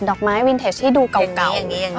อกไม้วินเทจให้ดูเก่า